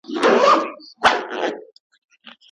خپلمنځي همکاري د زده کوونکو مهارتونه لوړوي.